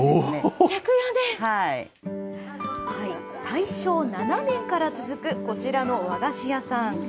大正７年から続くこちらの和菓子屋さん。